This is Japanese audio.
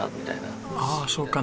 ああそうか。